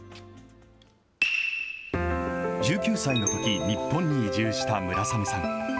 １９歳のとき日本に移住した村雨さん。